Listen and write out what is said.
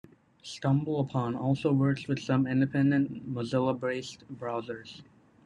StumbleUpon also works with some independent Mozilla-based browsers.